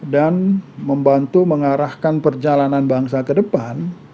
dan membantu mengarahkan perjalanan bangsa ke depan